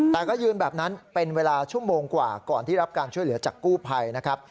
แต่ก็ยืนแบบนั้นเป็นเวลาชั่วโมงกว่าก่อนที่รับการช่วยเหลือจากกู้ภัยนะครับ